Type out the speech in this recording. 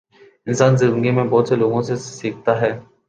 انسان زندگی میں بہت سے لوگوں سے سیکھتا ہے۔